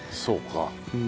そうか。